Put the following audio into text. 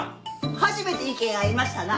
初めて意見合いましたな。